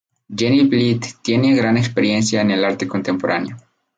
Jenny Blyth tiene una gran experiencia en el arte contemporáneo.